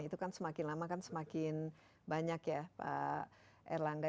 itu kan semakin lama kan semakin banyak ya pak erlangga